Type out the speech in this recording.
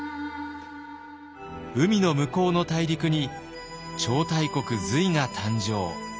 海の向こうの大陸に超大国隋が誕生。